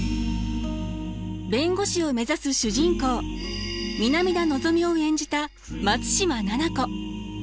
弁護士を目指す主人公南田のぞみを演じた松嶋菜々子。